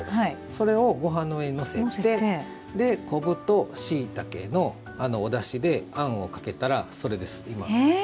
それをごはんの上にのせて昆布としいたけのおだしであんをかけたら、それです、今。